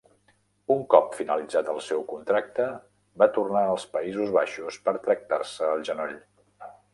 Un cop finalitzat el seu contracte, va tornar als Països Baixos per tractar-se el genoll.